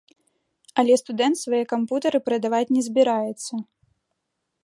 Але студэнт свае кампутары прадаваць не збіраецца.